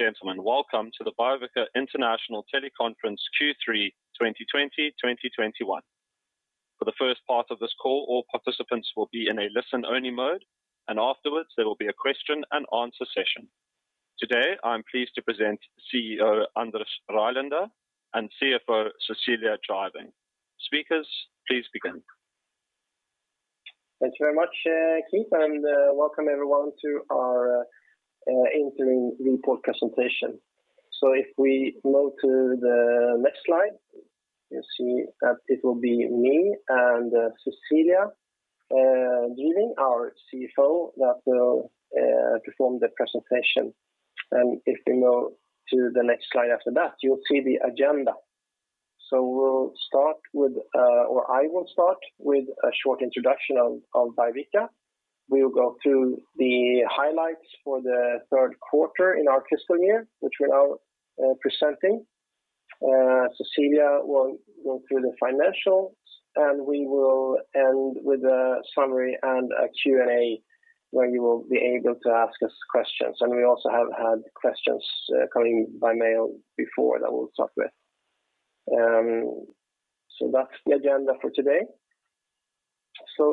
Ladies and gentlemen, welcome to the Biovica International Teleconference Q3 2020/2021. For the first part of this call, all participants will be in a listen-only mode, and afterwards, there will be a question-and-answer session. Today, I am pleased to present CEO Anders Rylander and CFO Cecilia Driving. Speakers, please begin. Thanks very much, Keith. Welcome everyone to our interim report presentation. If we move to the next slide, you'll see that it will be me and Cecilia Driving, our CFO, that will perform the presentation. If we move to the next slide after that, you'll see the agenda. I will start with a short introduction of Biovica. We will go through the highlights for the third quarter in our fiscal year, which we're now presenting. Cecilia will go through the financials, and we will end with a summary and a Q&A where you will be able to ask us questions. We also have had questions coming by mail before that we'll start with. That's the agenda for today.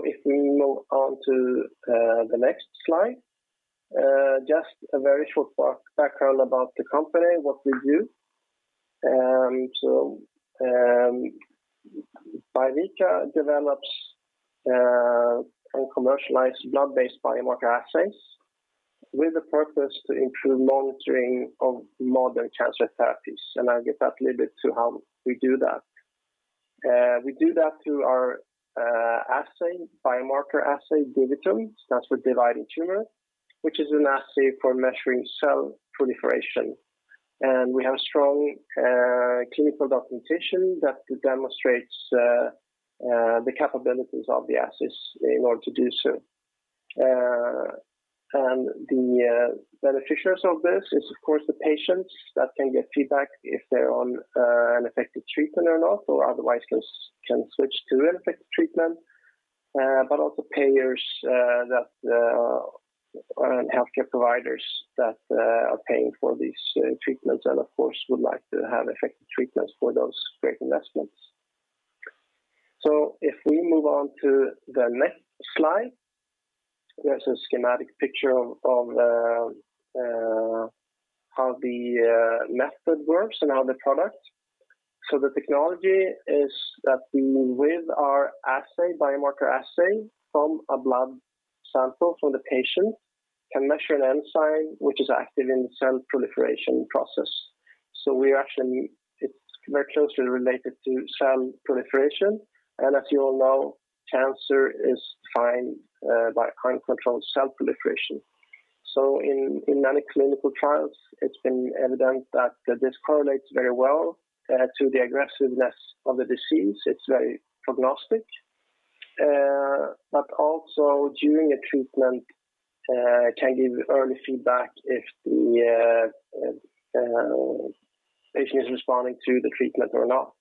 If we move on to the next slide, just a very short background about the company, what we do. Biovica develops and commercialize blood-based biomarker assays with the purpose to improve monitoring of modern cancer therapies. I'll get that little bit to how we do that. We do that through our biomarker assay, DiviTum, stands for dividing tumor, which is an assay for measuring cell proliferation. We have strong clinical documentation that demonstrates the capabilities of the assays in order to do so. The beneficiaries of this is of course the patients that can get feedback if they're on an effective treatment or not, or otherwise can switch to an effective treatment. Also, payers and healthcare providers that are paying for these treatments, and of course, would like to have effective treatments for those great investments. If we move on to the next slide, there's a schematic picture of how the method works and how the product. The technology is that with our biomarker assay from a blood sample from the patient, can measure an enzyme which is active in cell proliferation process. It's very closely related to cell proliferation. As you all know, cancer is defined by uncontrolled cell proliferation. In many clinical trials, it's been evident that this correlates very well to the aggressiveness of the disease. It's very prognostic. Also, during a treatment, can give early feedback if the patient is responding to the treatment or not.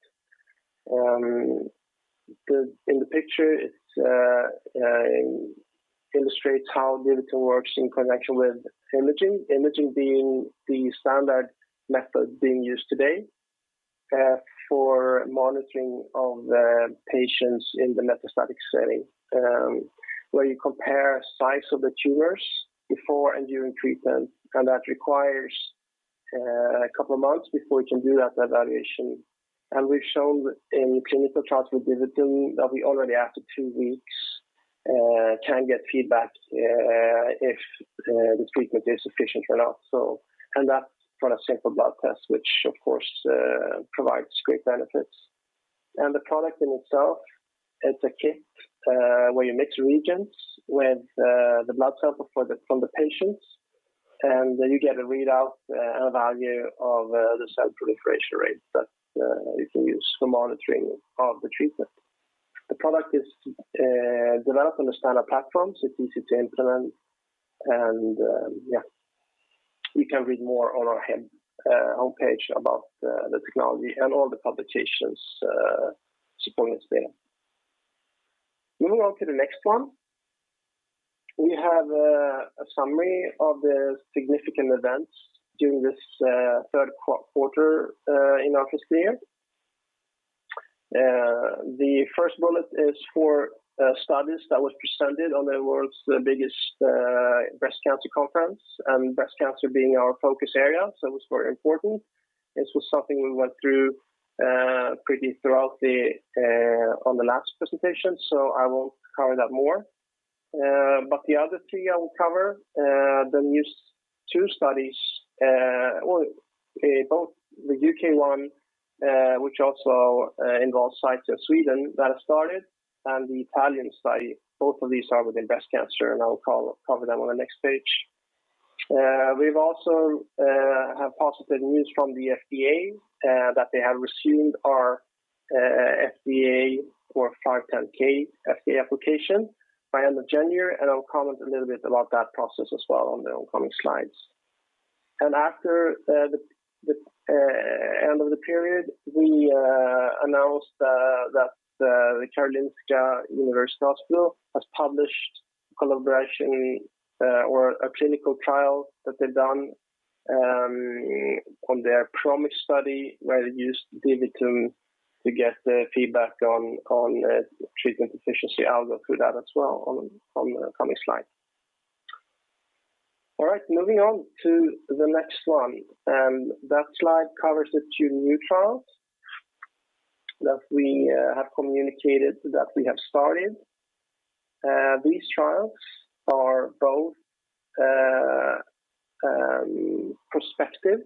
In the picture, it illustrates how DiviTum works in connection with imaging being the standard method being used today for monitoring of the patients in the metastatic setting, where you compare size of the tumors before and during treatment. That requires a couple of months before you can do that evaluation. We've shown in clinical trials with DiviTum that we already after two weeks can get feedback if the treatment is sufficient or not. That's from a simple blood test, which of course provides great benefits. The product in itself, it's a kit where you mix reagents with the blood sample from the patients, and then you get a readout and a value of the cell proliferation rate that you can use for monitoring of the treatment. The product is developed on a standard platform, so it's easy to implement. Yeah, you can read more on our homepage about the technology and all the publications supporting it there. Moving on to the next one. We have a summary of the significant events during this third quarter in our fiscal year. The first bullet is for a study that was presented on the world's biggest breast cancer conference, breast cancer being our focus area, it was very important. This was something we went through pretty throughout on the last presentation, I won't cover that more. The other three I will cover. The news, two studies, well, both the U.K. one which also involves sites in Sweden that have started, the Italian study. Both of these are within breast cancer, I will cover that on the next page. We also have positive news from the FDA, that they have resumed our FDA or 510(k) application by end of January, I'll comment a little bit about that process as well on the upcoming slides. After the end of the period, we announced that the Karolinska University Hospital has published collaboration or a clinical trial that they've done on their ProMIX study where they used DiviTum to get the feedback on treatment efficiency. I'll go through that as well on the coming slide. All right, moving on to the next one. That slide covers the two new trials that we have communicated that we have started. These trials are both prospective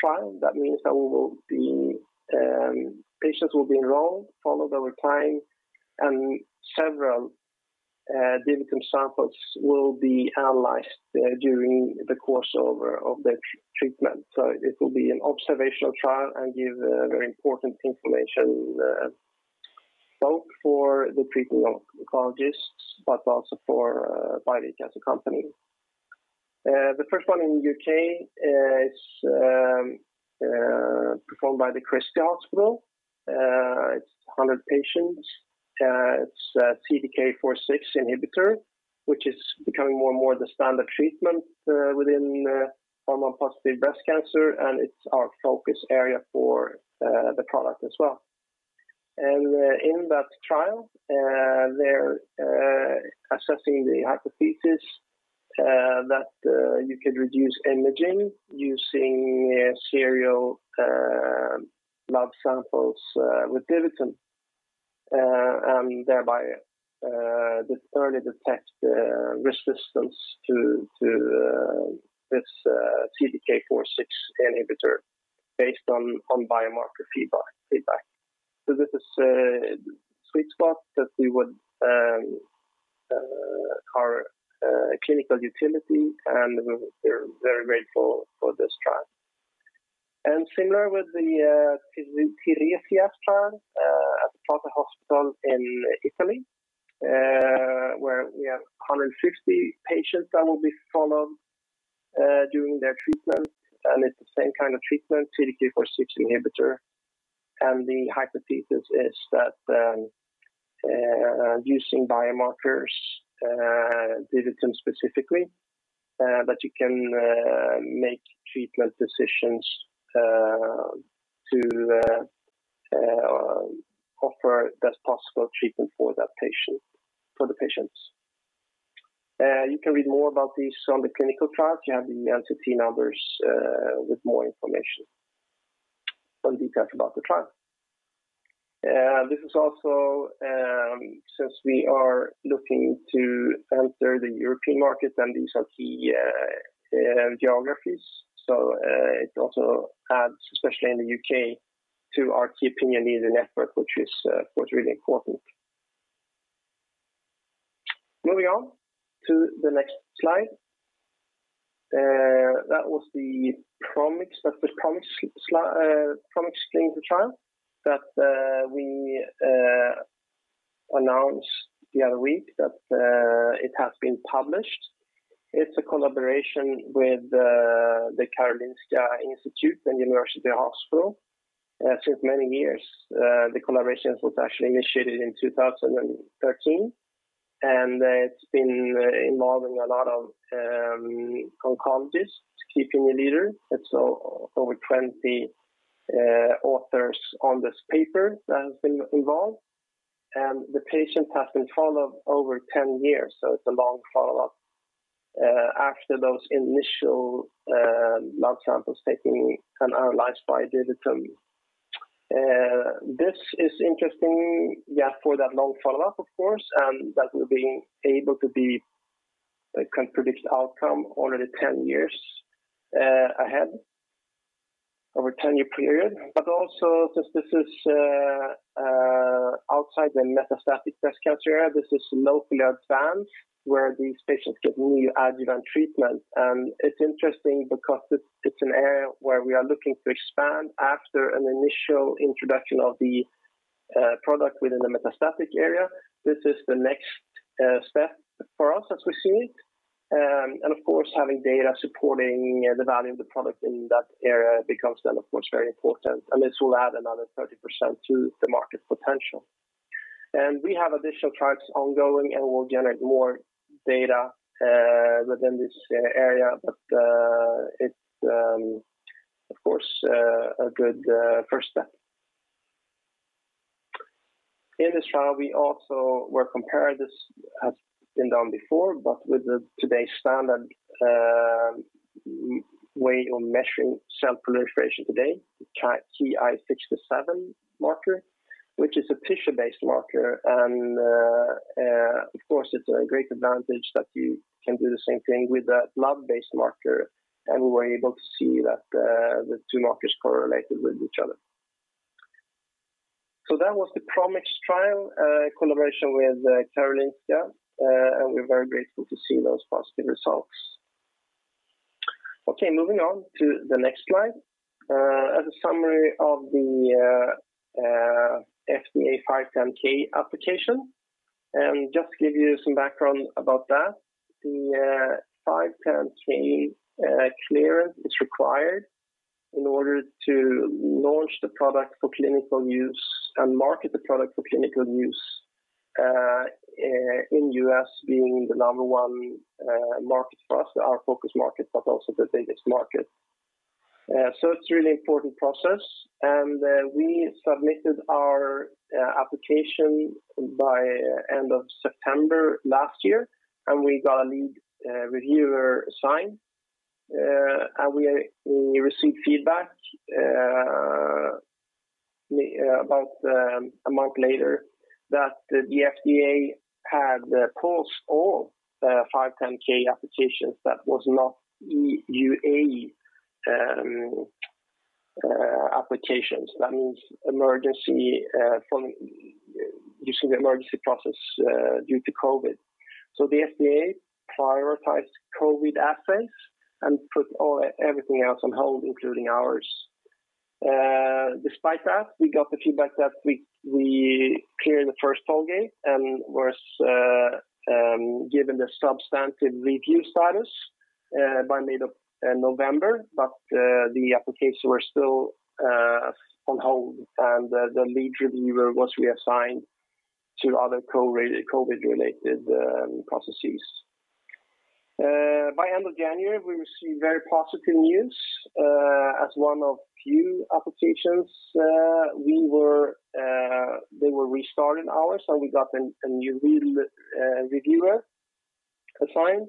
trial. That means that patients will be enrolled, followed over time, and several DiviTum samples will be analyzed during the course of their treatment. It will be an observational trial and give very important information, both for the treating oncologists, but also for Biovica as a company. The first one in the U.K., it's performed by The Christie Hospital. It's 100 patients. It's a CDK4/6 inhibitor, which is becoming more and more the standard treatment within hormone-positive breast cancer, it's our focus area for the product as well. In that trial, they're assessing the hypothesis that you could reduce imaging using serial lab samples with DiviTum, thereby early detect resistance to this CDK4/6 inhibitor based on biomarker feedback. This is a sweet spot that we would call clinical utility, we're very grateful for this trial. Similar with the TEIRESIAS trial at the Prato Hospital in Italy, where we have 150 patients that will be followed during their treatment, it's the same kind of treatment, CDK4/6 inhibitor. The hypothesis is that using biomarkers, DiviTum specifically, that you can make treatment decisions to offer best possible treatment for the patients. You can read more about these on the clinical trials. You have the NCT numbers with more information on details about the trial. This is also, since we are looking to enter the European market, and these are key geographies. It also adds, especially in the U.K., to our key opinion leader network, which is really important. Moving on to the next slide. That was the ProMIX clinical trial that we announced the other week, that it has been published. It's a collaboration with the Karolinska Institutet and Karolinska University Hospital since many years. The collaboration was actually initiated in 2013, and it's been involving a lot of oncologists, key opinion leaders. It's over 20 authors on this paper that have been involved. The patients have been followed over 10 years, so it's a long follow-up after those initial lab samples taken and analyzed by DiviTum. This is interesting, yeah, for that long follow-up, of course, and that we're being able to predict outcome already 10 years ahead, over a 10-year period. Also, since this is outside the metastatic breast cancer area, this is locally advanced, where these patients get neoadjuvant treatment. It's interesting because it's an area where we are looking to expand after an initial introduction of the product within the metastatic area. This is the next step for us as we see it. Of course, having data supporting the value of the product in that area becomes then of course very important. This will add another 30% to the market potential. We have additional trials ongoing, and we'll generate more data within this area. It's of course a good first step. In this trial, we also were compared, this has been done before, but with the today's standard way of measuring cell proliferation today, the Ki-67 marker. Which is a tissue-based marker. Of course, it's a great advantage that you can do the same thing with a lab-based marker. We were able to see that the two markers correlated with each other. That was the ProMIX trial, a collaboration with Karolinska, and we're very grateful to see those positive results. Moving on to the next slide. As a summary of the FDA 510(k) application, and just to give you some background about that. The 510(k) clearance is required in order to launch the product for clinical use and market the product for clinical use in the U.S., being the number one market for us, our focus market, but also the biggest market. It's a really important process, and we submitted our application by end of September last year, and we got a lead reviewer assigned. We received feedback about a month later that the FDA had paused all 510(k) applications that was not EUA applications. That means using the emergency process due to COVID. The FDA prioritized COVID assays and put everything else on hold, including ours. Despite that, we got the feedback that we cleared the first toll gate and was given the substantive review status by mid of November. The applications were still on hold, and the lead reviewer was reassigned to other COVID-related processes. By end of January, we received very positive news. As one of few applications, they were restarting ours, so we got a new lead reviewer assigned,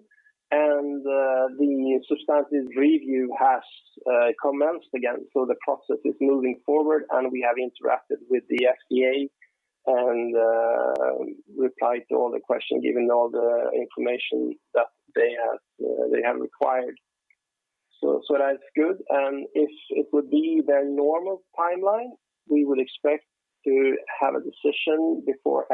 and the substantive review has commenced again. The process is moving forward, and we have interacted with the FDA and replied to all the questions, given all the information that they have required. That's good. If it would be their normal timeline, we would expect to have a decision before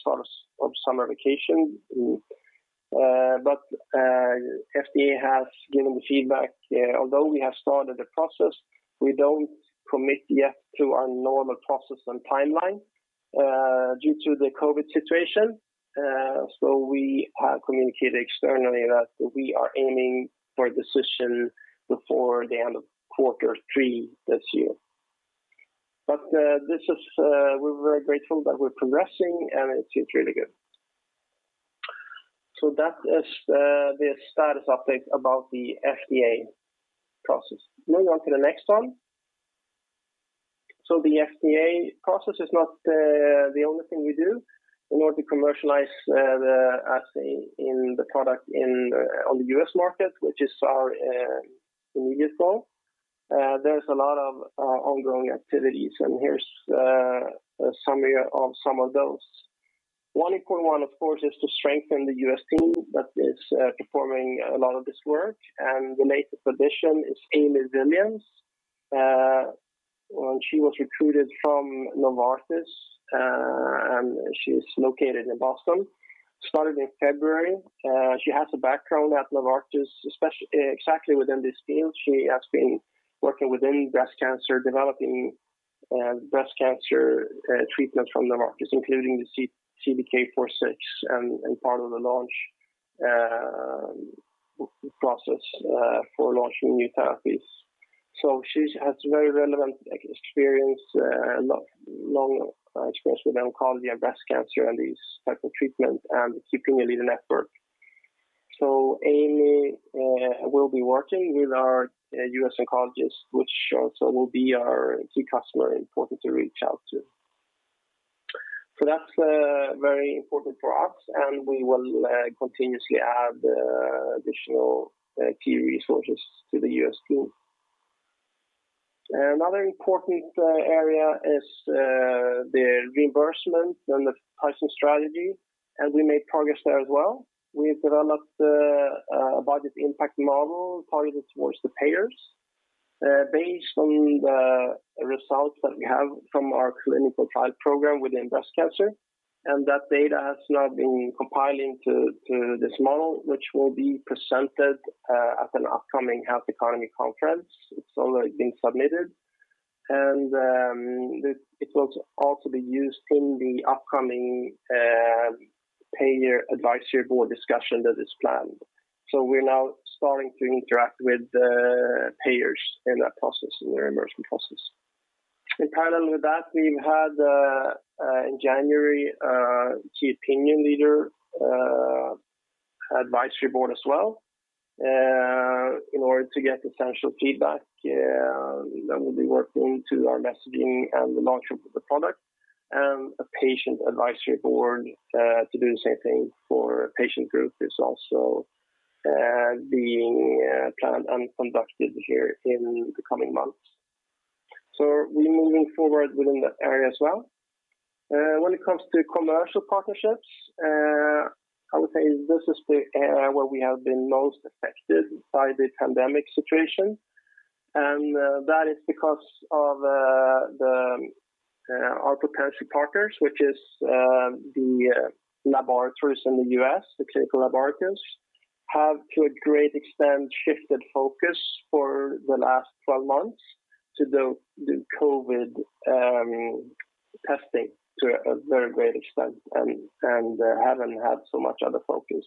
start of summer vacation. FDA has given the feedback, although we have started the process, we don't commit yet to our normal process and timeline due to the COVID situation. We have communicated externally that we are aiming for a decision before the end of quarter three this year. We're very grateful that we're progressing, and it seems really good. That is the status update about the FDA process. Moving on to the next one. The FDA process is not the only thing we do in order to commercialize the assay in the product on the U.S. Market, which is our immediate goal. There's a lot of ongoing activities, and here's a summary of some of those. One, of course, is to strengthen the U.S. team that is performing a lot of this work, and the latest addition is Amy Williams. She was recruited from Novartis, and she's located in Boston. Started in February. She has a background at Novartis, exactly within this field. She has been working within breast cancer, developing breast cancer treatments from Novartis, including the CDK4/6 and part of the launch process for launching new therapies. She has very relevant experience, a lot of long experience with oncology and breast cancer and these types of treatment and keeping a leader network. Amy will be working with our U.S. oncologists, which also will be our key customer important to reach out to. That's very important for us, and we will continuously add additional key resources to the U.S. team. Another important area is the reimbursement and the pricing strategy, and we made progress there as well. We've developed a budget impact model targeted towards the payers based on the results that we have from our clinical trial program within breast cancer. That data has now been compiled into this model, which will be presented at an upcoming health economy conference. It's already been submitted. It will also be used in the upcoming payer advisory board discussion that is planned. We're now starting to interact with the payers in that process, in the reimbursement process. In parallel with that, we've had, in January, a key opinion leader advisory board as well, in order to get essential feedback that will be worked into our messaging and the launch of the product. A patient advisory board to do the same thing for patient group is also being planned and conducted here in the coming months. We're moving forward within that area as well. When it comes to commercial partnerships, I would say this is the area where we have been most affected by the pandemic situation. That is because of our prospective partners, which is the laboratories in the U.S., the clinical laboratories, have to a great extent shifted focus for the last 12 months to do COVID testing to a very great extent and haven't had so much other focus.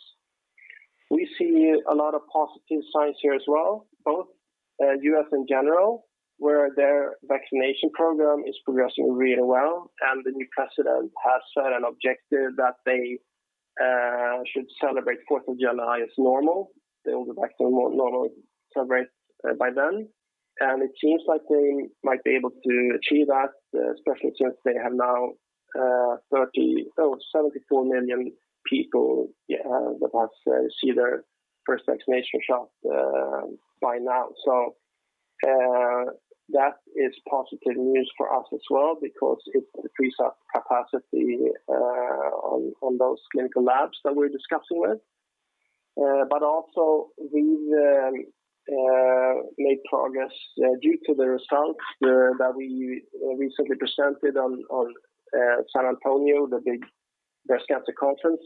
We see a lot of positive signs here as well, both U.S. in general, where their vaccination program is progressing really well, and the new president has set an objective that they should celebrate 4th of July as normal. They will be back to normal celebrate by then, and it seems like they might be able to achieve that, especially since they have now 74 million people that has received their first vaccination shot by now. That is positive news for us as well because it increases our capacity on those clinical labs that we're discussing with. Also, we've made progress due to the results that we recently presented on San Antonio, the big breast cancer conference,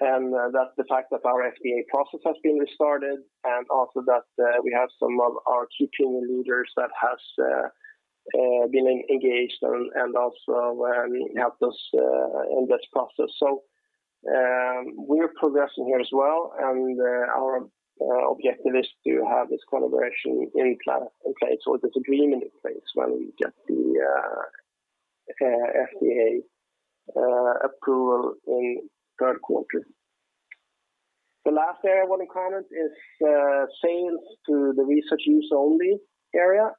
and that's the fact that our FDA process has been restarted, and also that we have some of our key opinion leaders that has been engaged and also helped us in this process. We're progressing here as well, and our objective is to have this collaboration in place or there's an agreement in place when, we get the FDA approval in third quarter. The last area I want to comment is sales to the research use only area.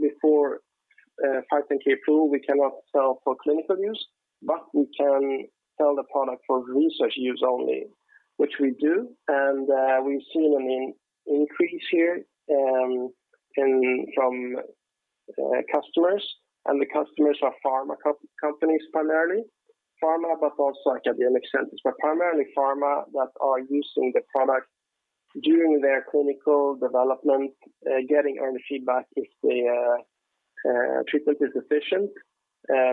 Before 510(k) approval, we cannot sell for clinical use, but we can sell the product for research use only, which we do. We've seen an increase here from customers, and the customers are pharma companies primarily. Pharma but also academic centers, but primarily pharma that are using the product during their clinical development, getting early feedback if the treatment is efficient,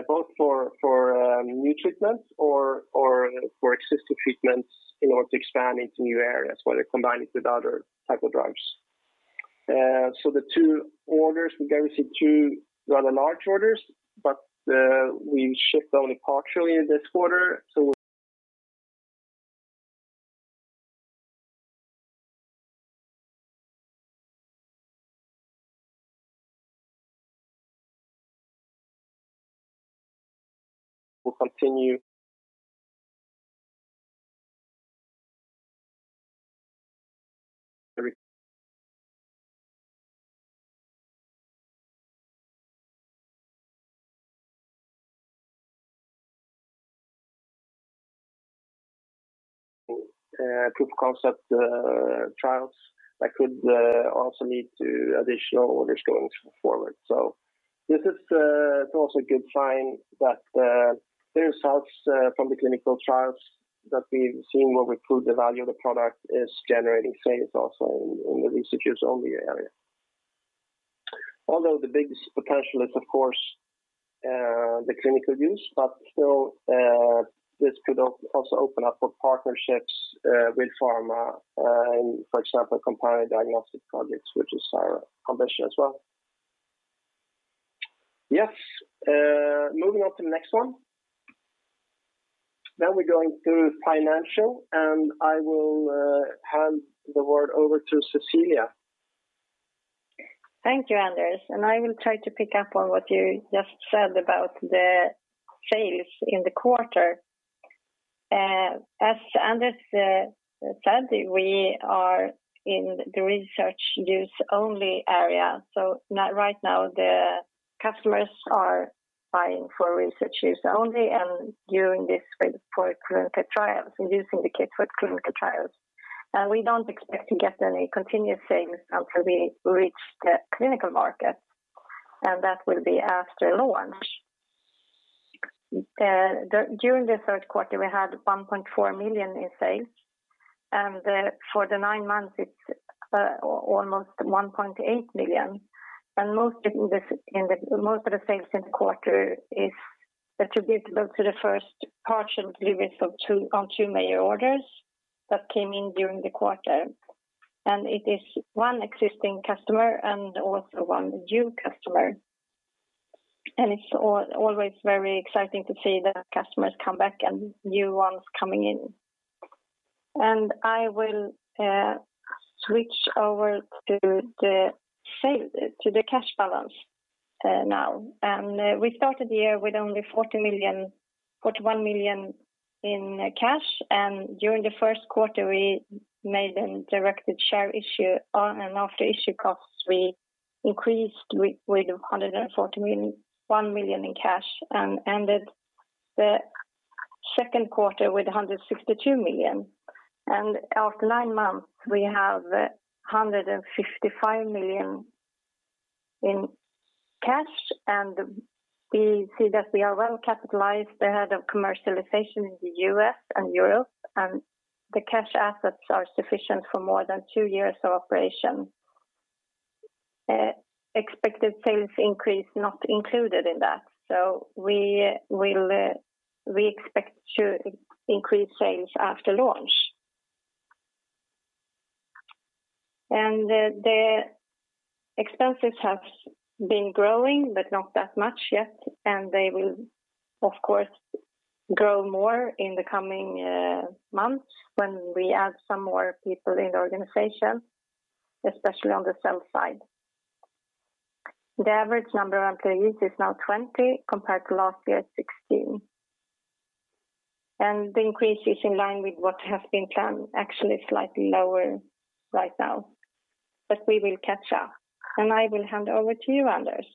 both for new treatments or for existing treatments in order to expand into new areas where they combine it with other types of drugs. The two orders, we received two rather large orders, but we shipped only partially this quarter. We'll continue. Proof of concept trials that could also lead to additional orders going forward. This is also a good sign that the results from the clinical trials that we've seen will improve the value of the product is generating sales also in the research use only area. Although the biggest potential is of course, the clinical use, but still this could also open up for partnerships with pharma, for example, companion diagnostic products, which is our ambition as well. Yes. Moving on to the next one. We're going to financial, and I will hand the word over to Cecilia. Thank you, Anders. I will try to pick up on what you just said about the sales in the quarter. As Anders said, we are in the research use only area. Right now, the customers are buying for research use only and during this phase for clinical trials and using the kit for clinical trials. We don't expect to get any continuous sales until we reach the clinical market, and that will be after launch. During the third quarter, we had 1.4 million in sales, for the nine months it's almost 1.8 million. Most of the sales in the quarter is attributable to the first partial deliveries on two major orders that came in during the quarter. It is one existing customer and also one new customer. It's always very exciting to see that customers come back and new ones coming in. I will switch over to the cash balance now. We started the year with only 41 million in cash. During the first quarter we made a directed share issue, and after issue costs, we increased with 141 million in cash and ended the second quarter with 162 million. After nine months, we have 155 million in cash, and we see that we are well capitalized ahead of commercialization in the U.S. and Europe. The cash assets are sufficient for more than two years of operation. Expected sales increase not included in that, we expect to increase sales after launch. The expenses have been growing, but not that much yet, they will, of course, grow more in the coming months when we add some more people in the organization, especially on the sales side. The average number of employees is now 20 compared to last year's 16. The increase is in line with what has been planned, actually slightly lower right now, but we will catch up. I will hand over to you, Anders.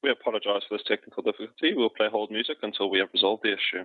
We apologise for this technical difficulty, we will play hold music until we have resolved the issue.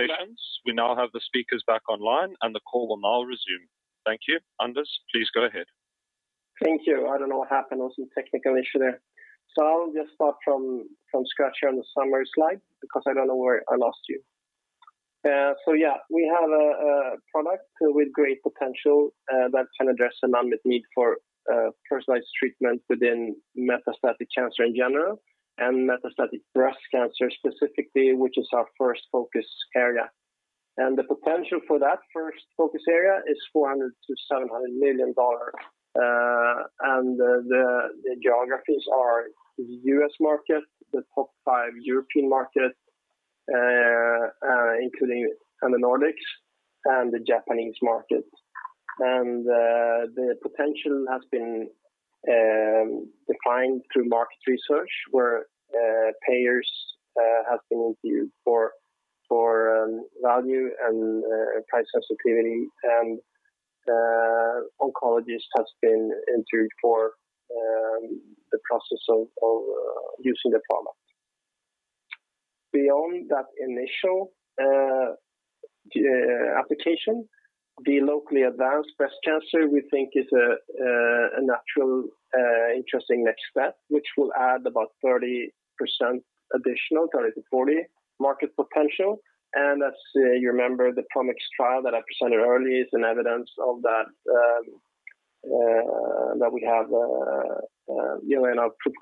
We thank you for your patience, we now have the speakers back online and the call will now resume. Thank you, Anders. Please go ahead. Thank you. I don't know what happened. There was some technical issue there. I'll just start from scratch here on the summary slide because I don't know where I lost you. Yeah, we have a product with great potential that can address unmet need for personalized treatment within metastatic cancer in general, and metastatic breast cancer specifically, which is our first focus area. The potential for that first focus area is $400 million-$700 million. The geographies are the U.S. market, the top five European markets, including the Nordics, and the Japanese market. The potential has been defined through market research, where payers have been interviewed for value and price sensitivity, and oncologists have been interviewed for the process of using the product. Beyond that initial application, the locally advanced breast cancer, we think, is a natural interesting next step, which will add about 30% additional, 30%-40% market potential. As you remember, the ProMIX trial that I presented earlier is an evidence of that we have proof of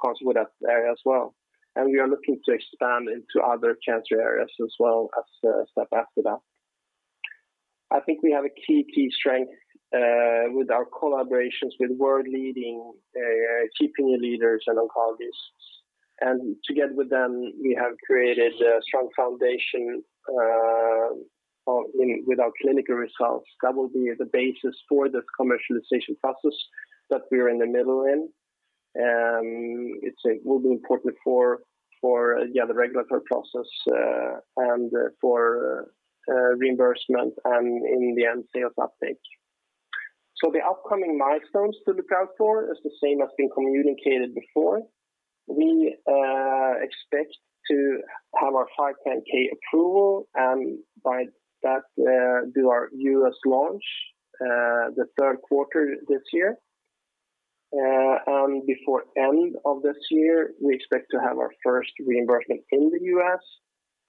concept with that area as well. We are looking to expand into other cancer areas as well as a step after that. I think we have a key strength with our collaborations with world-leading key opinion leaders and oncologists. Together with them, we have created a strong foundation with our clinical results that will be the basis for this commercialization process that we're in the middle in. It will be important for the regulatory process and for reimbursement and in the end sales uptake. The upcoming milestones to look out for is the same as been communicated before. We expect to have our 510(k) approval and by that do our U.S. launch the third quarter this year. Before end of this year, we expect to have our first reimbursement in the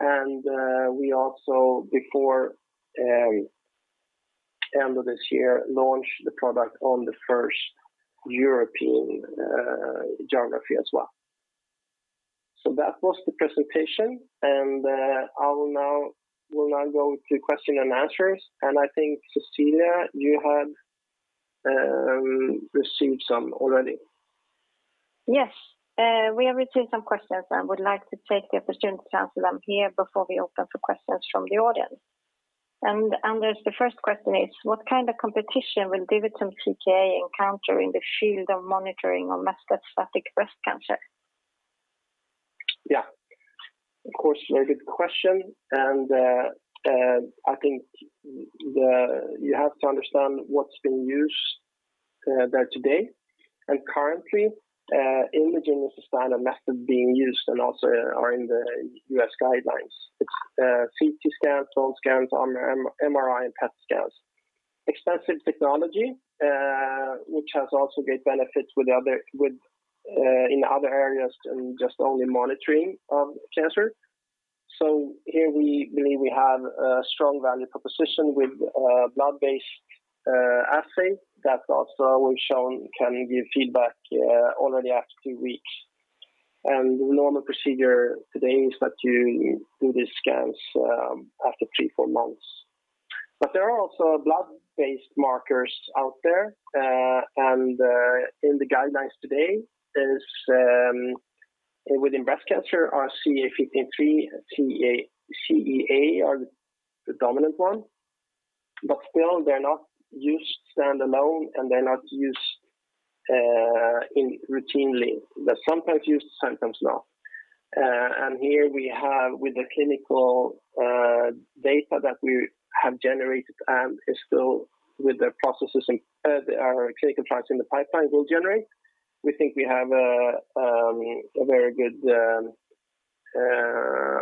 U.S. We also, before end of this year, launch the product on the first European geography as well. That was the presentation, and we'll now go to question and answers. I think, Cecilia, you had received some already. Yes. We have received some questions and would like to take the opportunity to answer them here before we open for questions from the audience. Anders, the first question is, what kind of competition will DiviTum TKa encounter in the field of monitoring of metastatic breast cancer? Yeah. Of course, very good question. I think you have to understand what's being used there today. Currently, imaging is the standard method being used and also are in the U.S. guidelines. It's CT scans, bone scans, MRI, and PET scans. Expensive technology, which has also great benefits in other areas than just only monitoring cancer. Here we believe we have a strong value proposition with a blood-based assay that also we've shown can give feedback already after two weeks. The normal procedure today is that you do these scans after three, four months. There are also blood-based markers out there, and in the guidelines today is, within breast cancer, are CA 15-3, CEA are the dominant one. Still, they're not used standalone and they're not used routinely. They're sometimes used, sometimes not. Here we have with the clinical data that we have generated and is still with the processes in our clinical trials in the pipeline will generate, we think we have a very good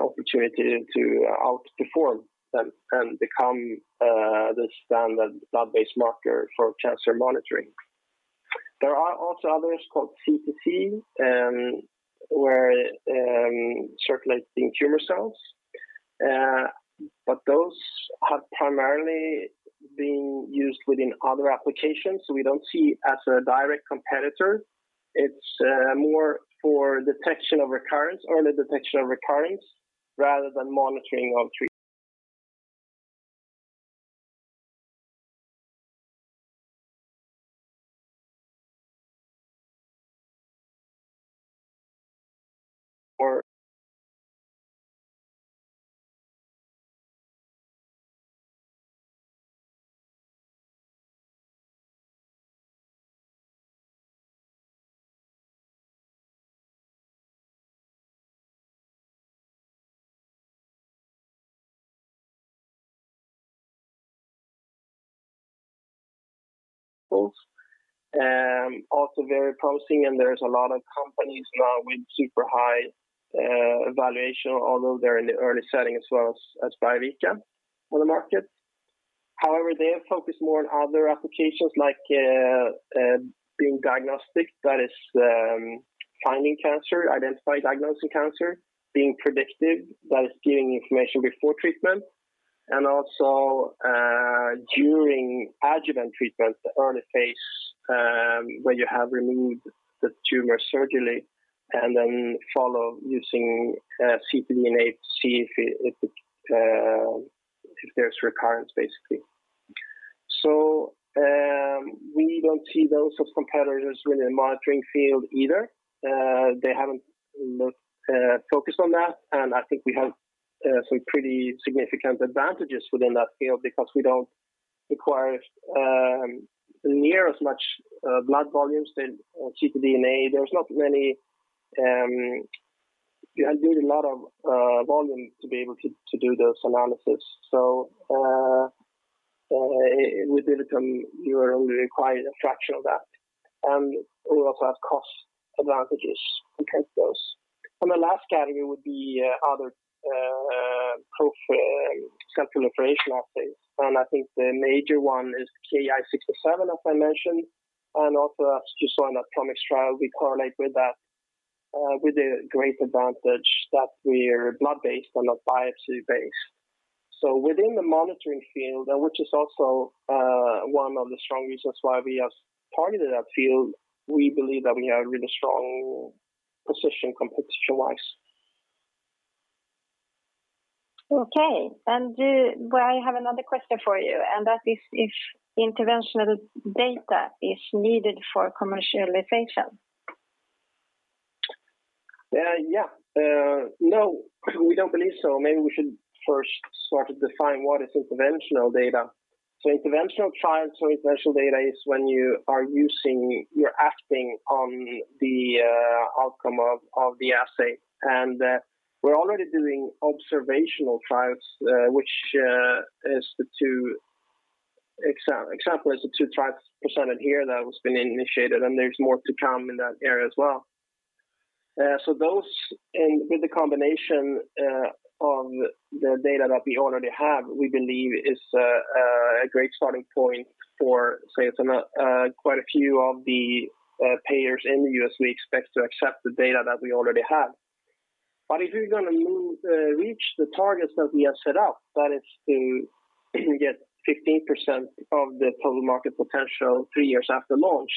opportunity to outperform them and become the standard blood-based marker for cancer monitoring. There are also others called CTC, circulating tumor cells, but those have primarily been used within other applications. We don't see as a direct competitor. It's more for early detection of recurrence rather than monitoring on treatment. Also very promising, and there's a lot of companies now with super high evaluation, although they're in the early setting as well as Biovica on the market. However, they have focused more on other applications like being diagnostic, that is finding cancer, identify diagnosing cancer, being predictive, that is giving information before treatment. Also, during adjuvant treatment, the early phase, when you have removed the tumor surgically and then follow using ctDNA to see if there's recurrence, basically. We don't see those as competitors within the monitoring field either. They haven't focused on that, and I think we have some pretty significant advantages within that field because we don't require near as much blood volumes than ctDNA. You need a lot of volume to be able to do those analysis. With DiviTum, you only require a fraction of that. We also have cost advantages compared to those. The last category would be other cell-free circulation assays. I think the major one is Ki-67, as I mentioned, and also as you saw in that ProMIX trial, we correlate with that, with a great advantage that we're blood-based and not biopsy-based. Within the monitoring field, which is also one of the strong reasons why we have targeted that field, we believe that we have a really strong position competition-wise. Okay. I have another question for you, and that is if interventional data is needed for commercialization. No, we don't believe so. Maybe we should first start to define what is interventional data. Interventional trial, interventional data is when you're acting on the outcome of the assay. We're already doing observational trials, example is the two trials presented here that was being initiated, and there's more to come in that area as well. Those, and with the combination of the data that we already have, we believe is a great starting point for, say, quite a few of the payers in the U.S. we expect to accept the data that we already have. If we're going to reach the targets that we have set out, that is to get 15% of the total market potential three years after launch,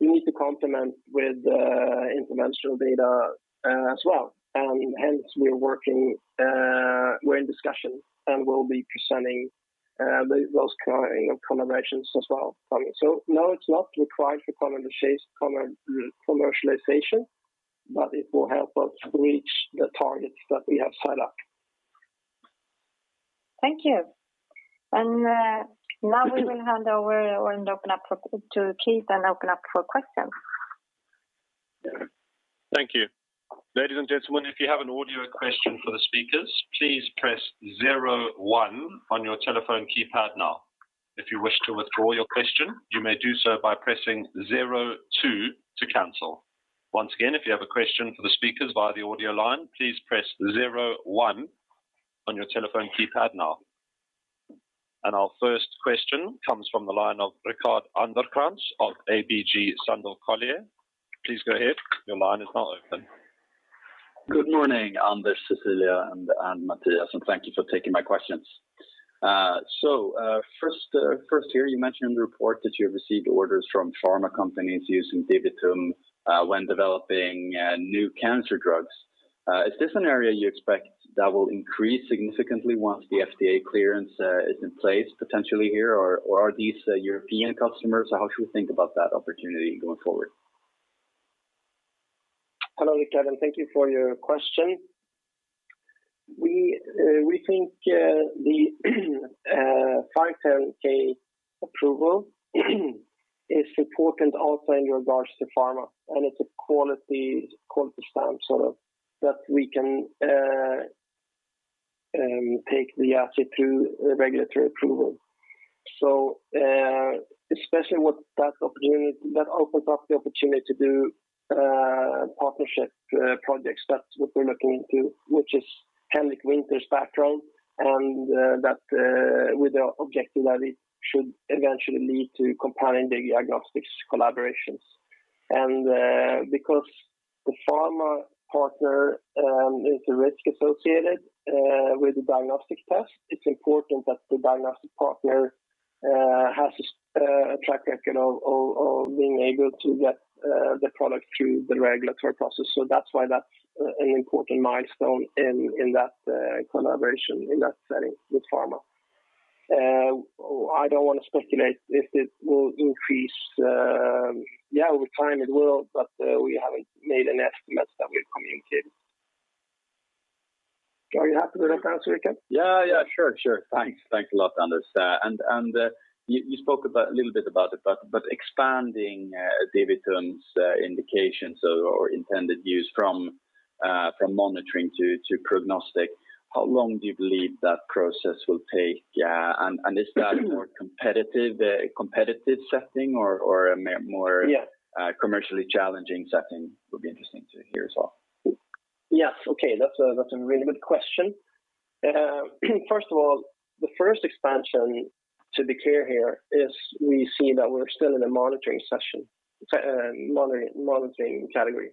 we need to complement with interventional data as well. Hence, we're in discussion, and we'll be presenting those kind of collaborations as well coming. No, it's not required for commercialization, but it will help us reach the targets that we have set up. Thank you. Now we will hand over and open up to Keith and open up for questions. Thank you. Ladies and gentlemen, if you have an audio line question for the speakers, please press zero one on your telephone keypad now. If you wish to withdraw your question, you may do so by pressing zero two to cancel. Once again, if you have a question for our speakers on the audio line, please press zero one on your telephone keypad now. Our first question comes from the line of Rickard Anderkrans of ABG Sundal Collier. Please go ahead. Your line is now open. Good morning, Anders, Cecilia, and Mattias, and thank you for taking my questions. First here, you mentioned in the report that you've received orders from pharma companies using DiviTum when developing new cancer drugs. Is this an area you expect that will increase significantly once the FDA clearance is in place potentially here? Or are these European customers? How should we think about that opportunity going forward? Hello, Rickard. Thank you for your question. We think the 510(k) approval is important also in regards to pharma. It's a quality stamp, sort of, that we can take the assay through regulatory approval. Especially with that opportunity, that opens up the opportunity to do partnership projects. That's what we're looking into, which is Henrik Winther's background, and that with the objective that it should eventually lead to companion diagnostics collaborations. Because the pharma partner, it's a risk associated with the diagnostic test, it's important that the diagnostic partner has a track record of being able to get the product through the regulatory process. That's why that's an important milestone in that collaboration, in that setting with pharma. I don't want to speculate if it will increase. Yeah, over time it will, but we haven't made an estimate that we've communicated. Are you happy with that answer, Rickard? Yeah. Sure. Thanks a lot, Anders. You spoke a little bit about it, but expanding DiviTum's indications or intended use from monitoring to prognostic, how long do you believe that process will take? Is that a more competitive setting or a more- Yeah commercially challenging setting, would be interesting to hear as well. Yes. Okay. That's a really good question. First of all, the first expansion to declare here is we see that we're still in a monitoring category.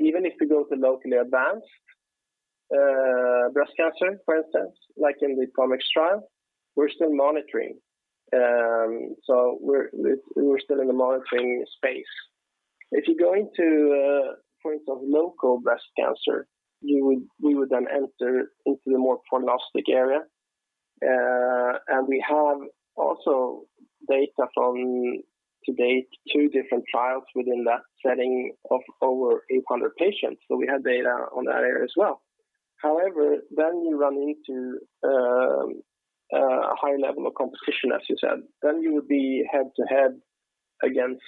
Even if we go to locally advanced breast cancer, for instance, like in the ProMIX trial, we're still monitoring. We're still in the monitoring space. If you go into, for instance, local breast cancer, we would then enter into the more prognostic area. We have also data from, to date, two different trials within that setting of over 800 patients. We have data on that area as well. However, you run into a high level of competition, as you said. You would be head-to-head against,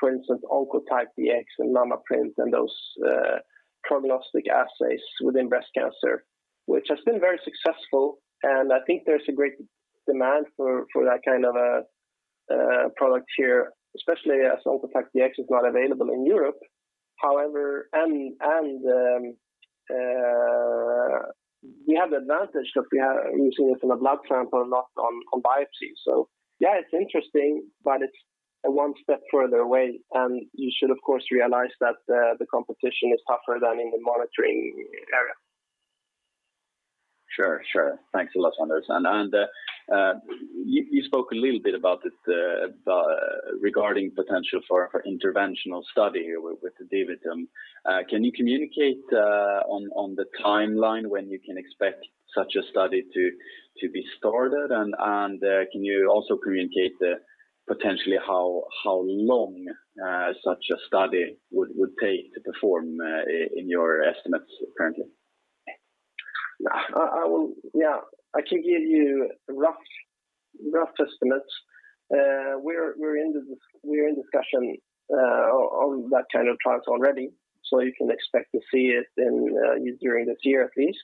for instance, Oncotype DX and MammaPrint and those prognostic assays within breast cancer, which has been very successful. I think there's a great demand for that kind of a product here, especially as Oncotype DX is not available in Europe. We have the advantage that we are using this in a blood sample, not on biopsy. Yeah, it's interesting, but it's a one step further away. You should, of course, realize that the competition is tougher than in the monitoring area. Sure. Thanks a lot, Anders. You spoke a little bit about this regarding potential for interventional study here with the DiviTum. Can you communicate on the timeline when you can expect such a study to be started? Can you also communicate potentially how long such a study would take to perform in your estimates currently? Yeah. I can give you rough estimates. We're in discussion on that kind of trials already, so you can expect to see it during this year at least.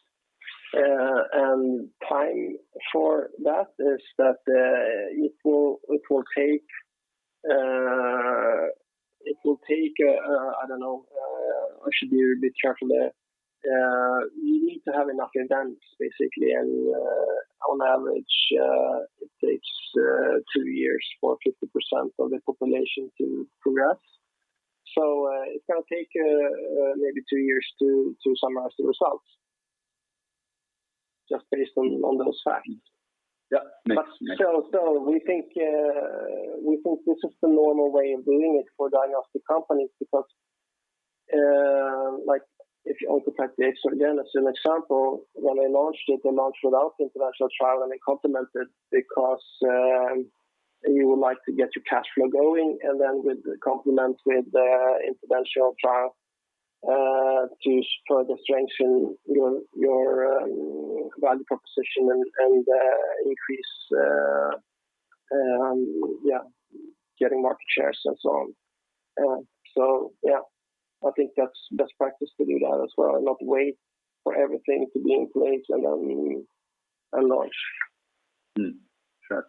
Time for that is that it will take, I don't know. I should be a bit careful there. You need to have enough events basically, and on average it takes two years for 50% of the population to progress. It's going to take maybe two years to summarize the results, just based on those facts. Yeah. We think this is the normal way of doing it for diagnostic companies. If you look at the Exagen as an example, when they launched it, they launched without interventional trial and they complemented because you would like to get your cash flow going, and then with the complement, with the interventional trial, to further strengthen your value proposition and increase getting market shares and so on. Yeah, I think that's best practice to do that as well and not wait for everything to be in place and then launch. Sure.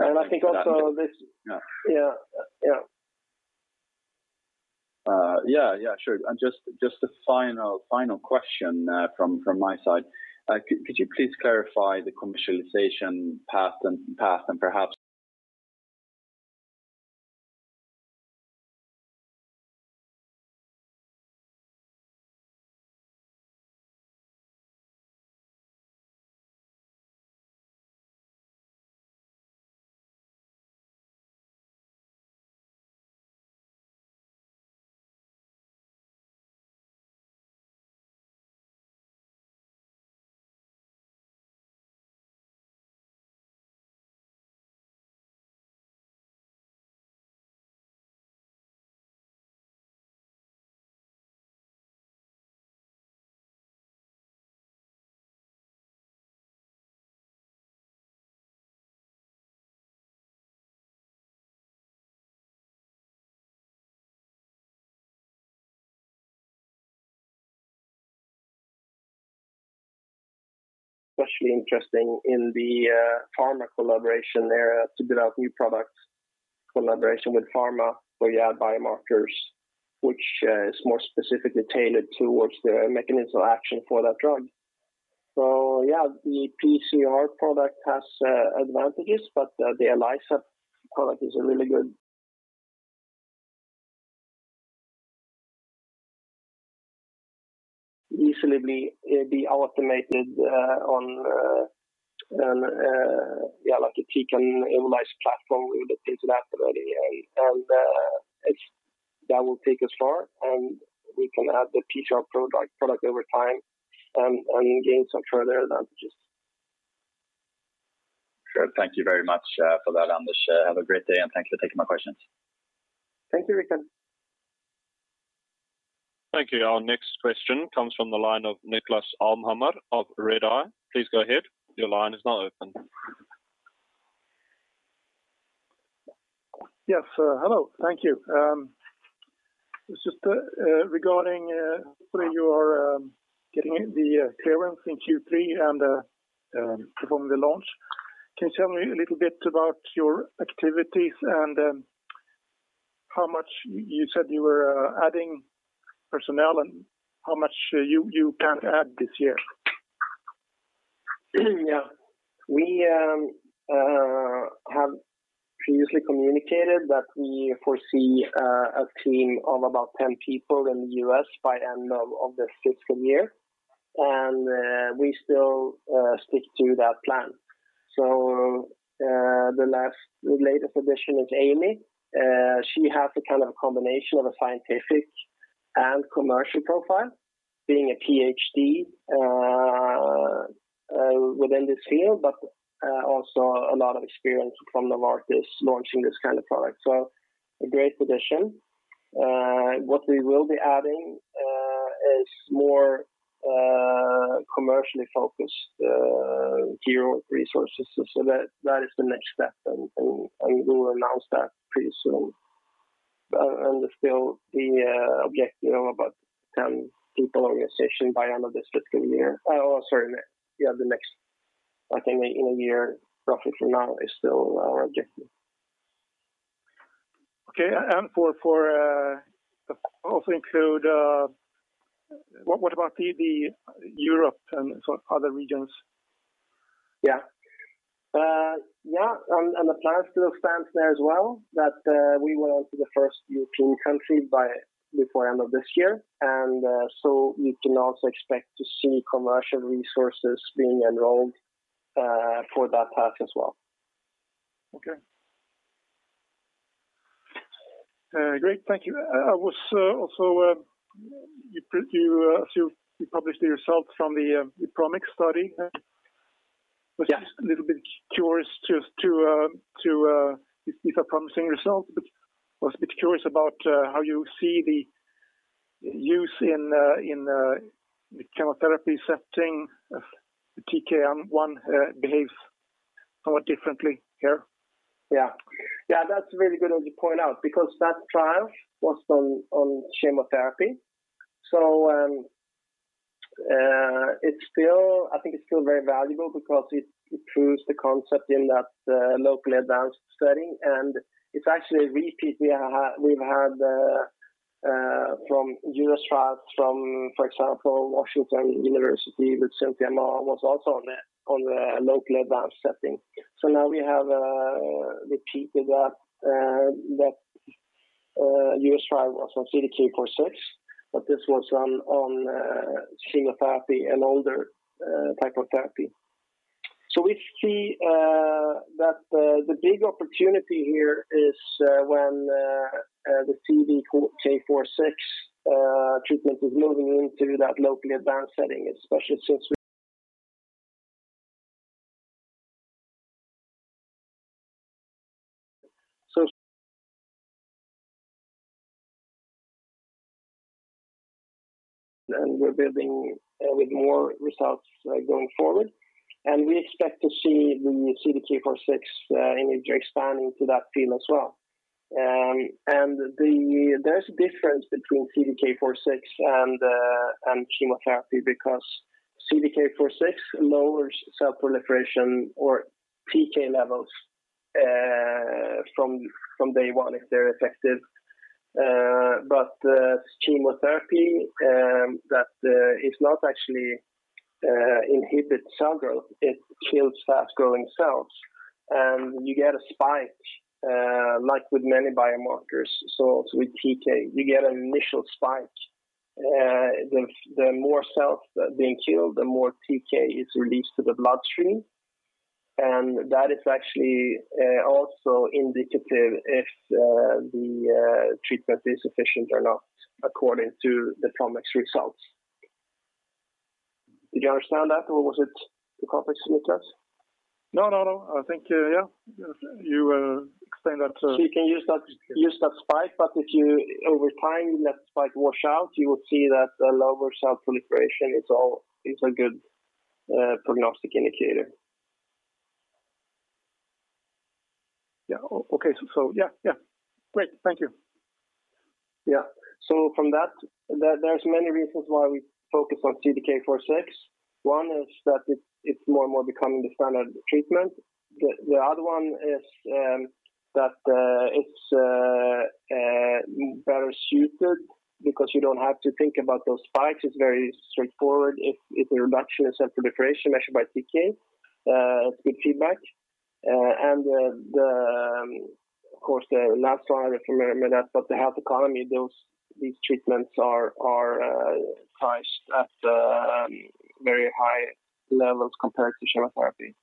I think also. Yeah. Yeah. Yeah. Sure. Just a final question from my side. Could you please clarify the commercialization path and perhaps- especially interesting in the pharma collaboration there to build out new products, collaboration with pharma where you have biomarkers, which is more specifically tailored towards the mechanism of action for that drug. Yeah, the PCR product has advantages, but the ELISA product is a really good easily be automated on like a Tecan ELISA platform with the plate reader. That will take us far, and we can add the PCR product over time and gain some further advantages. Sure. Thank you very much for that, Anders. Have a great day, and thanks for taking my questions. Thank you, Rickard. Thank you. Our next question comes from the line of Niklas Elmhammer of Redeye. Please go ahead. Your line is now open. Yes. Hello. Thank you. It's just regarding where you are getting the clearance in Q3 and performing the launch. Can you tell me a little bit about your activities and how much you said you were adding personnel and how much you plan to add this year? Yeah. We have previously communicated that we foresee a team of about 10 people in the U.S. by end of this fiscal year. We still stick to that plan. The latest addition is Amy. She has a kind of combination of a scientific and commercial profile, being a PhD within this field, but also a lot of experience from Novartis launching this kind of product. A great addition. What we will be adding is more commercially focused co-resources. That is the next step, and we'll announce that pretty soon. Still the objective of about 10 people organization by end of this fiscal year. Oh, sorry. Yeah, the next, I think, in a year roughly from now is still our objective. Okay. What about the Europe and other regions? Yeah. The plan still stands there as well that we will enter the first European country before end of this year. You can also expect to see commercial resources being enrolled for that path as well. Okay. Great. Thank you. I was also, as you published the results from the ProMIX study. Yeah was just a little bit curious, these are promising results, but was a bit curious about how you see the use in the chemotherapy setting of TK1 behaves somewhat differently here. Yeah. That's very good of you point out, because that trial was on chemotherapy. I think it's still very valuable because it proves the concept in that locally advanced setting. It's actually a repeat we've had from U.S. trials from, for example, Washington University with Cynthia Ma was also on a locally advanced setting. Now we have repeated that U.S. trial was on CDK4/6, but this was on chemotherapy, an older type of therapy. We see that the big opportunity here is when the CDK4/6 treatment is moving into that locally advanced setting, especially since we're building with more results going forward. We expect to see the CDK4/6 usage expanding to that field as well. There's a difference between CDK4/6 and chemotherapy because CDK4/6 lowers cell proliferation or TKa levels from day one if they're effective. Chemotherapy, that it's not actually inhibit cell growth, it kills fast-growing cells. You get a spike, like with many biomarkers. With TK, you get an initial spike. The more cells that are being killed, the more TK is released to the bloodstream. That is actually also indicative if the treatment is efficient or not according to the ProMIX results. Did you understand that, or was it too complex, Niklas? No, I think, yeah. You can use that spike, but if over time that spike wash out, you will see that lower cell proliferation is a good prognostic indicator. Yeah. Okay. Yeah. Great. Thank you. Yeah. From that, there's many reasons why we focus on CDK4/6. One is that it's more and more becoming the standard treatment. The other one is that it's better suited because you don't have to think about those spikes. It's very straightforward. If the reduction in cell proliferation measured by TK, that's good feedback. Of course, not stronger from that, but the health economy, these treatments are priced at very high levels compared to chemotherapy.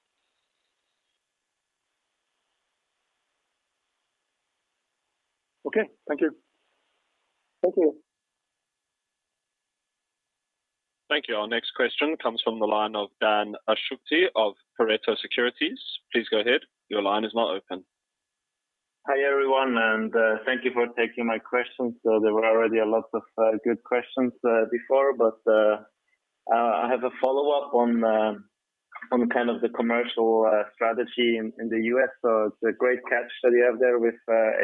Okay. Thank you. Thank you. Thank you. Our next question comes from the line of Dan Akschuti of Pareto Securities. Please go ahead. Your line is now open. Hi, everyone, and thank you for taking my question. There were already a lot of good questions before, but I have a follow-up on kind of the commercial strategy in the U.S. It's a great catch that you have there with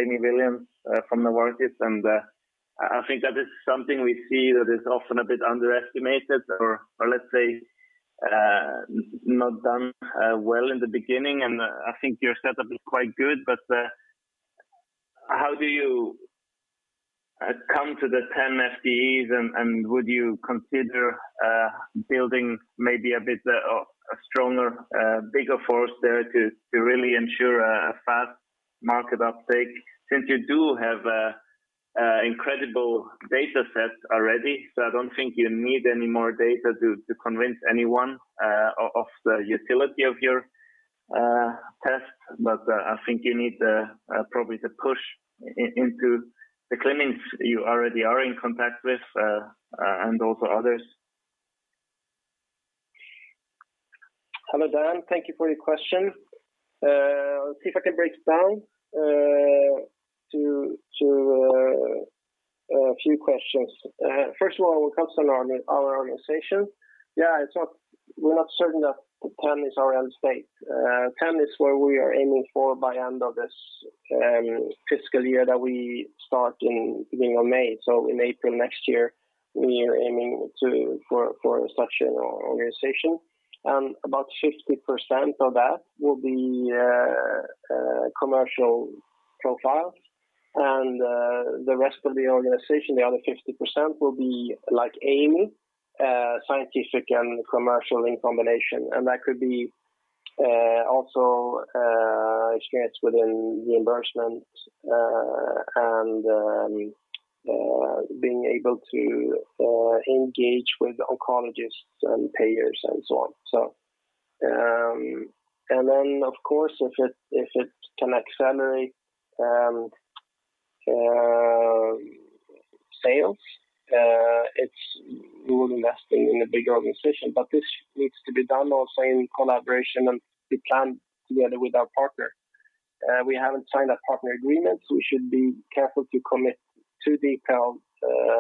Amy Williams from Novartis, and I think that is something we see that is often a bit underestimated or, let's say, not done well in the beginning, and I think your setup is quite good. How do you come to the 10 FTEs, and would you consider building maybe a bit of a stronger, bigger force there to really ensure a fast market uptake since you do have incredible data sets already. I don't think you need any more data to convince anyone of the utility of your test. I think you need probably to push into the clinics you already are in contact with, and also others. Hello, Dan. Thank you for your question. See if I can break it down to a few questions. First of all, when it comes to our organization. Yeah, we're not certain that 10 is our end state. 10 is where we are aiming for by end of this fiscal year that we start in beginning of May. In April next year, we are aiming for such an organization. About 50% of that will be commercial profiles, and the rest of the organization, the other 50%, will be like Amy, scientific and commercial in combination. That could be also experience within reimbursement, and being able to engage with oncologists and payers and so on. Of course, if it can accelerate sales, we will invest in a bigger organization. This needs to be done also in collaboration and we plan together with our partner. We haven't signed a partner agreement. We should be careful to commit to the account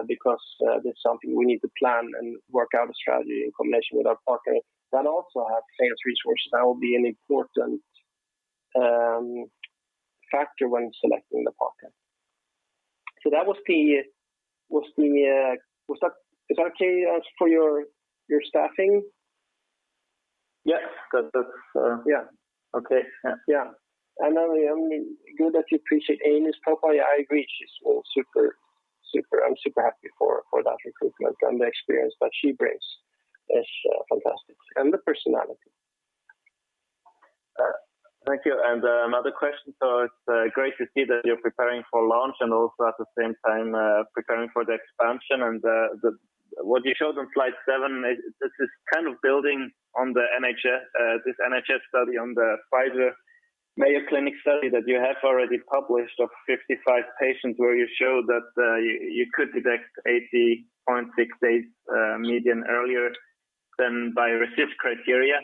because that's something we need to plan and work out a strategy in combination with our partner that also have sales resources. That will be an important factor when selecting the partner. Is that okay as for your staffing? Yes. Yeah. Okay. Yeah. Yeah. Good that you appreciate Amy's profile. I agree. I'm super happy for that recruitment and the experience that she brings is fantastic, and the personality. Thank you. Another question. It's great to see that you're preparing for launch and also at the same time preparing for the expansion and what you showed on slide seven, this is building on this NHS study on the Pfizer Mayo Clinic study that you have already published of 55 patients, where you show that you could detect 80.6 days median earlier than by RECIST criteria.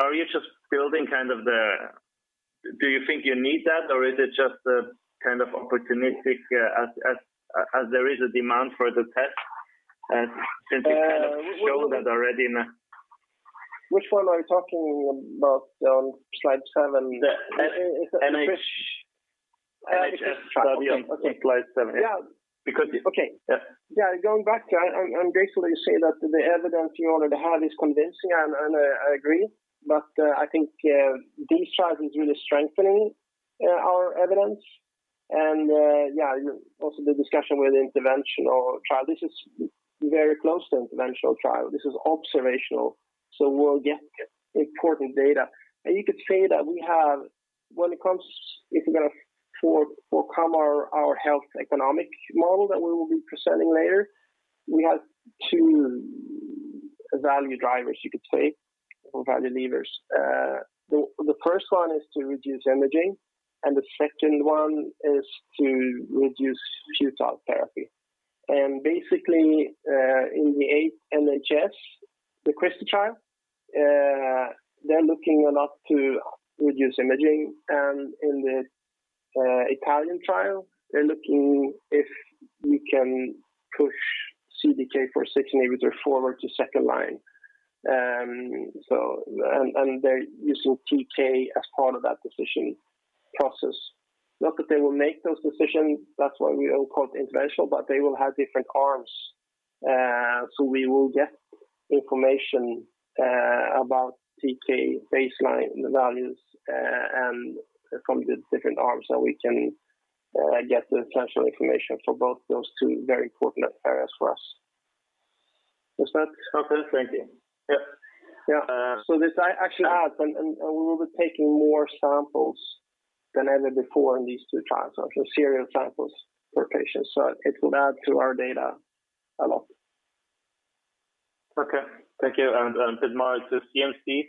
Are you just building Do you think you need that, or is it just opportunistic as there is a demand for the test since you kind of showed that already in? Which one are you talking about on slide seven? The NHS study. Okay on slide seven. Yeah. Because- Okay. Yeah. Going back, I'm grateful you say that the evidence you already have is convincing. I agree. I think D-shot is really strengthening our evidence. Also, the discussion with interventional studies, this is very close to interventional studies. This is observational, so we'll get important data. You could say that we have, if you're going to forcome our budget impact model that we will be presenting later, we have two value drivers you could say, or value levers. The first one is to reduce imaging, and the second one is to reduce futile therapy. In the NHS, the Christie trial, they're looking a lot to reduce imaging. In the Italian trial, they're looking if we can push CDK4/6 inhibitors forward to second line. They're using TKa as part of that decision process. Not that they will make those decisions, that's why we all call it interventional, but they will have different arms. We will get information about TKa baseline values from the different arms that we can get the essential information for both those two very important areas for us. Does that? Okay, thank you. Yep. Yeah. This actually adds, and we will be taking more samples than ever before in these two trials. Serial samples for patients. It will add to our data a lot. Okay, thank you. A bit more to CMC,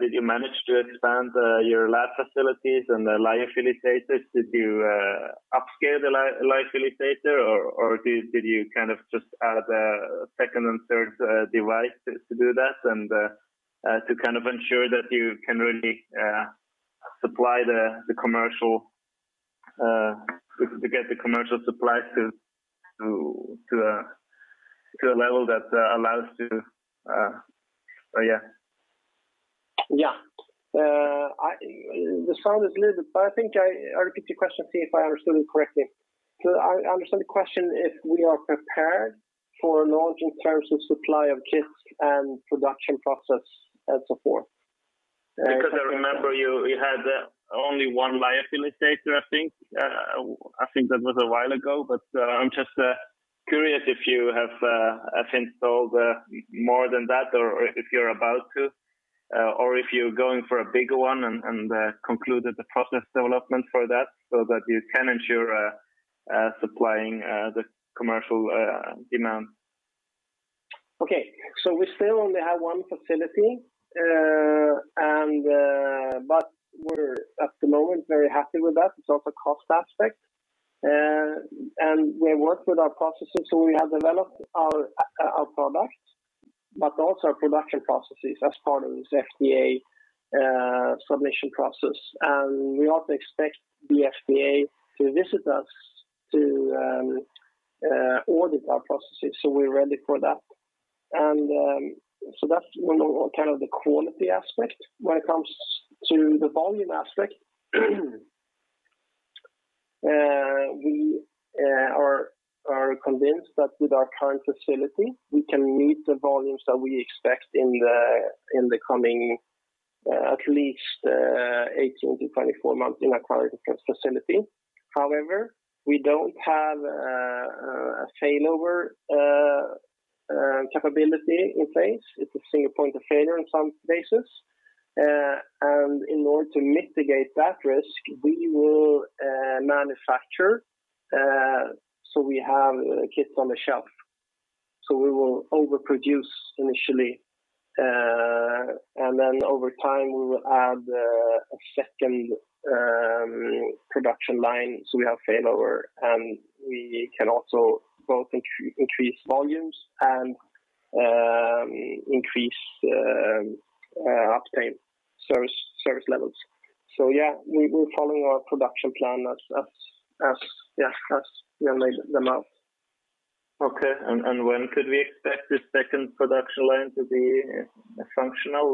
did you manage to expand your lab facilities and the lyophilizers? Did you upscale the lyophilizer, or did you just add a second and third device to do that and to ensure that you can really supply the commercial supply to a level? Yeah. The sound is a little bit, but I think I repeat your question to see if I understood it correctly. I understand the question, if we are prepared for launch in terms of supply of kits and production process and so forth. I remember you had only one lyophilizer, I think. I think that was a while ago, but I'm just curious if you have installed more than that or if you're about to, or if you're going for a bigger one and concluded the process development for that so that you can ensure supplying the commercial demand. Okay. We still only have one facility. We're at the moment very happy with that. It's also cost aspect. We work with our processes, so we have developed our product, but also our production processes as part of this FDA submission process. We also expect the FDA to visit us to audit our processes, so we're ready for that. That's one of the quality aspect. When it comes to the volume aspect, we are convinced that with our current facility, we can meet the volumes that we expect in the coming at least 18-24 months in our current facility. However, we don't have a failover capability in place. It's a single point of failure in some places. In order to mitigate that risk, we will manufacture, so we have kits on the shelf. We will overproduce initially, and then over time, we will add a second production line so we have failover, and we can also both increase volumes and increase uptime service levels. Yeah, we're following our production plan as we have laid them out. Okay. When could we expect this second production line to be functional?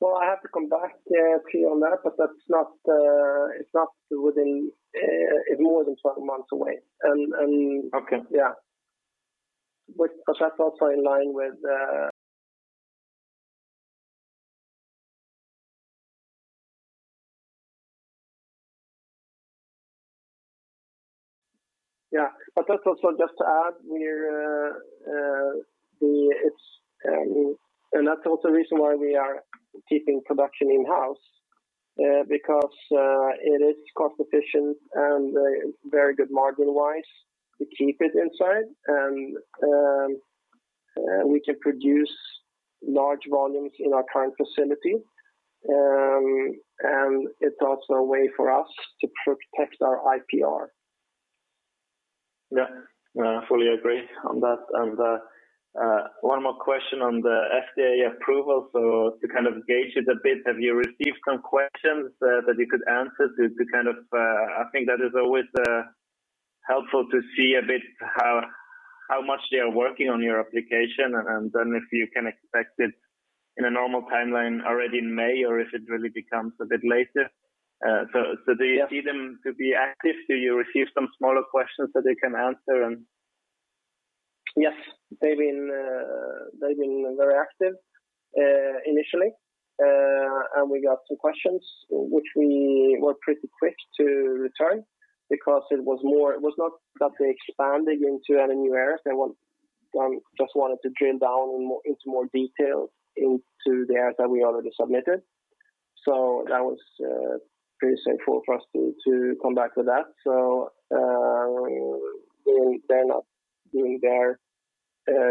Well, I have to come back to you on that, but it's more than 12 months away. Okay. Also just to add, that's also the reason why we are keeping production in-house, because it is cost-efficient and very good margin-wise to keep it inside. We can produce large volumes in our current facility. It's also a way for us to protect our IPR. Yeah. I fully agree on that. One more question on the FDA approval. To kind of gauge it a bit, have you received some questions that you could answer? I think that is always helpful to see a bit how much they are working on your application, then if you can expect it in a normal timeline already in May, or if it really becomes a bit later. Yeah. Do you see them to be active? Do you receive some smaller questions that they can answer? Yes. They've been very active initially. We got some questions, which we were pretty quick to return because it was not that they expanded into any new areas. They just wanted to drill down into more detail into the areas that we already submitted. That was pretty straightforward for us to come back to that. They're now doing their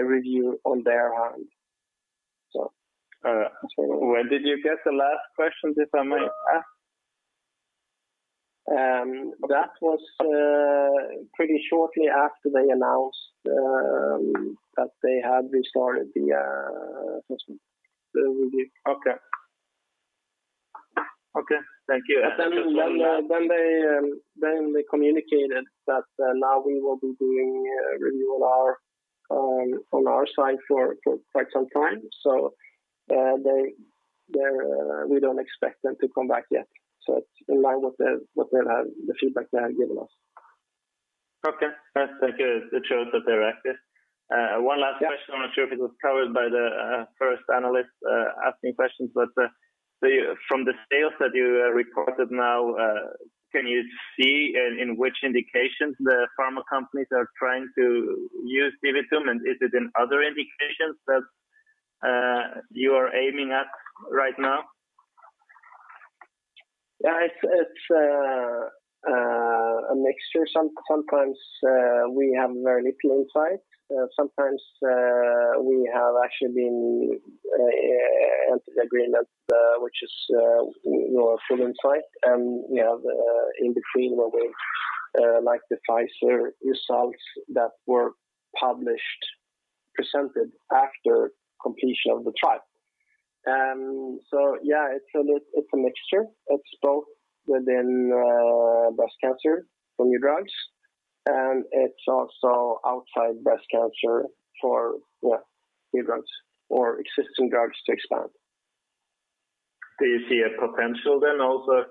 review on their end. All right. When did you get the last question, if I may ask? That was pretty shortly after they announced that they had restarted the assessment, the review. Okay. Thank you. They communicated that now we will be doing a review on our side for quite some time. We don't expect them to come back yet. It's in line with the feedback they have given us. Okay. Thank you. It shows that they're active. Yeah. One last question. I'm not sure if it was covered by the first analyst asking questions, but from the sales that you reported now, can you see in which indications the pharma companies are trying to use DiviTum, and is it in other indications that you are aiming at right now? Yeah. It is a mixture. Sometimes we have very little insight. Sometimes we have actually been entered an agreement, which is more full insight. We have in between where we, like the Pfizer results that were published, presented after completion of the trial. Yeah, it is a mixture. It is both within breast cancer for new drugs, and it is also outside breast cancer for new drugs or existing drugs to expand. Do you see a potential then also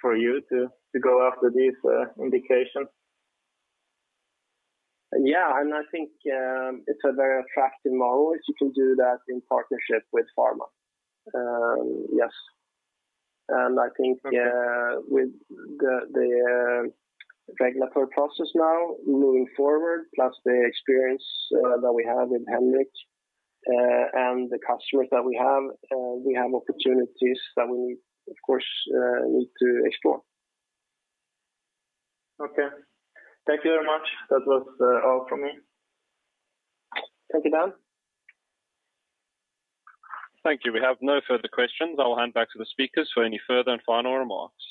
for you to go after these indications? Yeah. I think it's a very attractive model if you can do that in partnership with pharma. Yes. Okay With the regulatory process now moving forward, plus the experience that we have in Henrik and the customers that we have, we have opportunities that we, of course, need to explore. Okay. Thank you very much. That was all from me. Thank you, Dan. Thank you. We have no further questions. I will hand back to the speakers for any further and final remarks.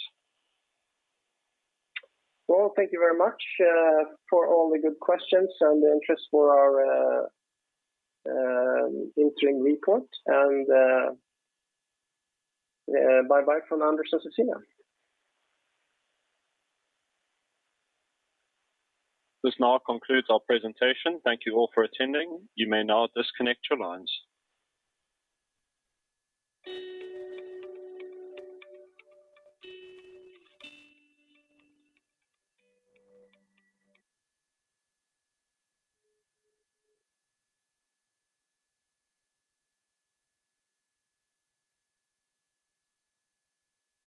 Well, thank you very much for all the good questions and the interest for our interim report. Bye-bye from Anders and Cecilia. This now concludes our presentation. Thank you all for attending. You may now disconnect your lines.